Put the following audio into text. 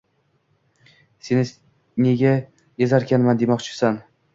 seni nega ezarkanman demoqchisan…